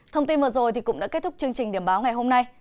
thông tin vừa rồi cũng đã kết thúc chương trình điểm báo ngày hôm nay